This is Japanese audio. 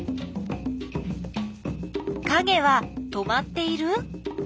かげは止まっている？